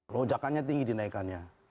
lojakannya tinggi dinaikannya